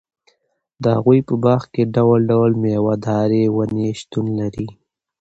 د هغوي په باغ کي ډول٬ډول ميوه داري وني شتون لري